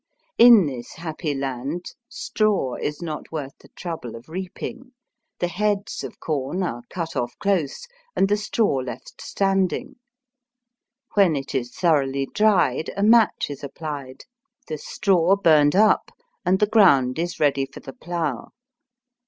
In this happy land straw is not worth the trouble of reaping. The heads of corn are cut off close, and the straw left standing. When it is thoroughly dried a match is applied, the Digitized by VjOOQIC ON THE RAILWAY OARS. 155 straw burnt np, and the ground is ready for the plough.